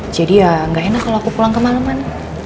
jadi ya gak enak kalo aku pulang ke maleman